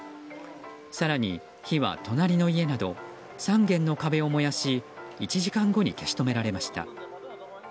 更に日は隣の家など３軒の壁を燃やし１時間後に消し止められました。